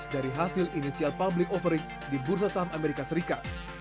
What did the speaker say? dari hasil inisial public offering di bursa saham amerika serikat